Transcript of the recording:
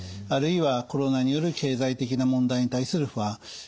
あるいはコロナによる経済的な問題に対する不安。